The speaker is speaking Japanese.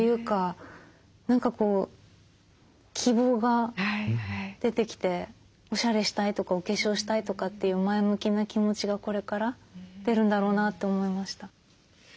何かこう希望が出てきておしゃれしたいとかお化粧したいとかっていう前向きな気持ちがこれから出るんだろうなと思いました。